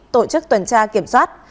tổ chức tuần tra kiểm soát